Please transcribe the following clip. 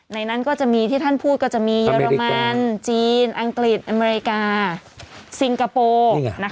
ในนั้นก็จะมีที่ท่านพูดก็จะมีเยอรมันจีนอังกฤษอเมริกาซิงคโปร์